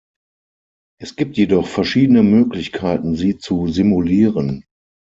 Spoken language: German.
Es gibt jedoch verschiedene Möglichkeiten, sie zu simulieren.